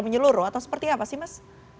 menyeluruh atau seperti apa sih mas